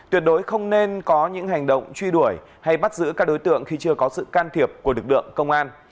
tuyệt đối không nên có những hành động truy đuổi hay bắt giữ các đối tượng khi chưa có sự can thiệp của lực lượng công an